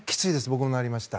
僕もなりました。